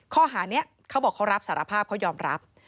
ข้อหานี้เขาบอกเขารับสารภาพเขายอมรับ